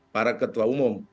para ketua umum